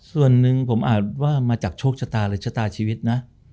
ส่วนหนึ่งผมอาจว่ามาจากโชคชะตาหรือชะตาชีวิตนะ